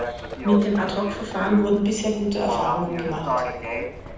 Mit dem Ad-hoc-Verfahren wurden bisher gute Erfahrungen gemacht.